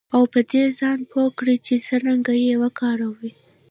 او په دې ځان پوه کړئ چې څرنګه یې وکاروئ